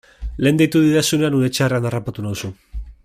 Lehen deitu didazunean une txarrean harrapatu nauzu.